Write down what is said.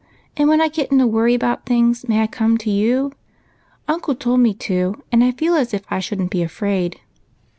and when I get in a worry about things may I come to you? Uncle told me to, and I feel as if I should n't be afraid."